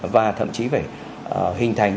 và thậm chí phải hình thành